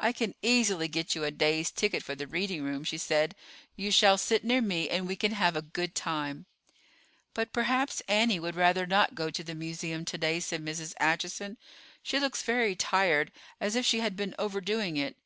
"I can easily get you a day's ticket for the reading room," she said. "You shall sit near me, and we can have a good time." "But perhaps Annie would rather not go to the Museum to day," said Mrs. Acheson. "She looks very tired, as if she had been overdoing it."